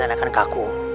jangan akan kaku